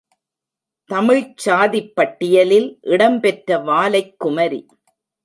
தமிழ்ச் சாதிப் பட்டியலில் இடம் பெற்ற வாலைக்குமரி.